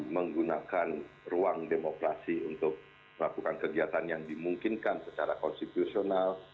menggunakan ruang demokrasi untuk melakukan kegiatan yang dimungkinkan secara konstitusional